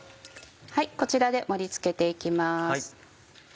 こちらで盛り付けて行きます。